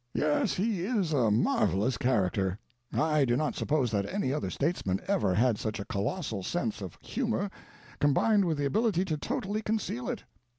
Yes, he is a marvelous character. I do not suppose that any other statesman ever had such a colossal sense of humor, combined with the ability to totally conceal it.